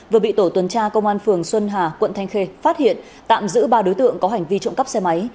vừa bị tổ tuần tra công an phường xuân hà quận thanh khê phát hiện tạm giữ ba đối tượng có hành vi trộm cắp xe máy